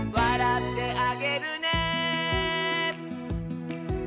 「おどってあげるね」